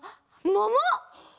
もも！